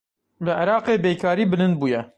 Li Iraqê bêkarî bilind bûye.